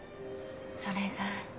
それが。